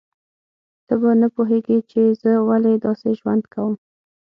ته به نه پوهیږې چې زه ولې داسې ژوند کوم